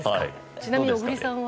ちなみに小栗さんは？